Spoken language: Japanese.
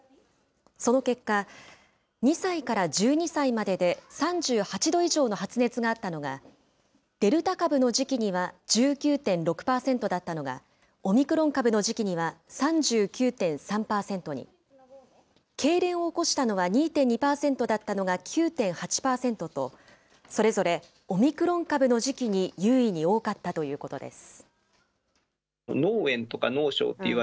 その結果、２歳から１２歳までで３８度以上の発熱があったのは、デルタ株の時期には１９．６％だったのが、オミクロン株の時期には３９．３％に、けいれんを起こしたのは２．２％だったのが９．８％と、それぞれオミクロン株の時期に有意に多かったということです。